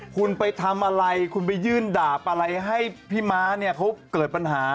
คุณไปทำอะไรคุณไปยื่นดาบอะไรให้พี่ม้าเนี่ยเขาเกิดปัญหา